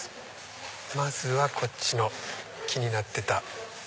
まずはこっちの気になってた。